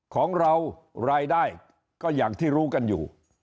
ของเรารายได้ก็อย่างที่รู้กันอยู่